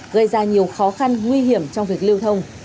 gây ra nhiều khó khăn nguy hiểm trong việc lưu thông